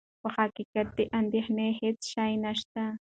په حقیقت کې د اندېښنې هېڅ شی نه شته.